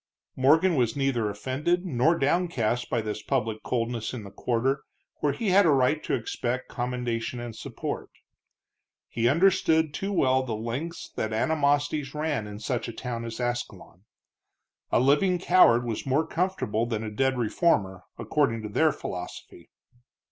Morgan was neither offended nor downcast by this public coldness in the quarter where he had a right to expect commendation and support. He understood too well the lengths that animosities ran in such a town as Ascalon. A living coward was more comfortable than a dead reformer, according to their philosophy.